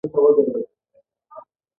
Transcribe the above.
خو فلسطین په شام کې ځانګړې ټوټه ده.